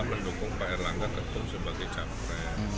tiga hal buat mimpi kerja di belanda